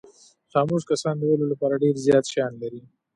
خاموش کسان د ویلو لپاره ډېر زیات شیان لري.